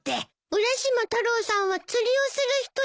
浦島太郎さんは釣りをする人です。